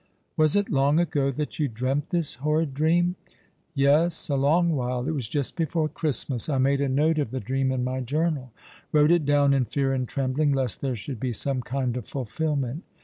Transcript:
" Was it long ago that you dreamt this horrid dream ?" "Yes, a long while. It was just before Christmas. I made a note of the dream in my journal — wrote it down in fear and trembling, lest there should be some kind of fulfil ment.